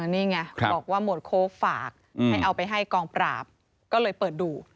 นี่ไงบอกว่าหมวดโค้กฝากให้เอาไปให้กองปราบก็เลยเปิดดู